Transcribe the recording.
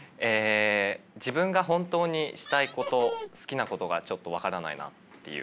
自分が本当にしたいこと好きなことがちょっと分からないなっていう。